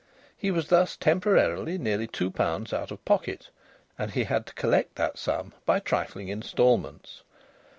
He was thus temporarily nearly two pounds out of pocket, and he had to collect that sum by trifling instalments.